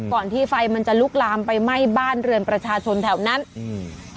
ที่ไฟมันจะลุกลามไปไหม้บ้านเรือนประชาชนแถวนั้นอืม